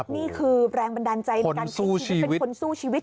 นี่คือแรงบันดาลใจในการสู้ชีวิตเป็นคนสู้ชีวิต